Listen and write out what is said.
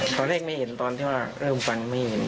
ตอนแรกไม่เห็นตอนที่ว่าเริ่มฟังไม่เห็น